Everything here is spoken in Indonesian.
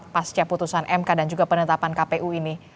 pasca putusan mk dan juga penetapan kpu ini